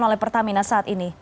oleh pertamina saat ini